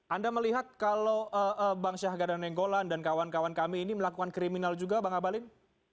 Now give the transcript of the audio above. anda melihat kalau bang syahga dan nenggolan dan kawan kawan kami ini melakukan kriminal juga bang abalin